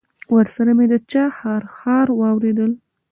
ورسره مې د چا خرهار واورېدل.